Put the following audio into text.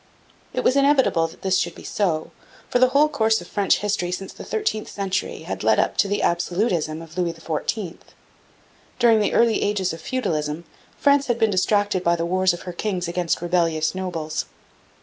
It was inevitable that this should be so, for the whole course of French history since the thirteenth century had led up to the absolutism of Louis XIV. During the early ages of feudalism France had been distracted by the wars of her kings against rebellious nobles.